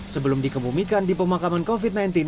sebelum dikemumikan di pemakaman covid sembilan belas